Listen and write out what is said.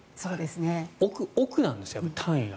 億なんですね、単位が。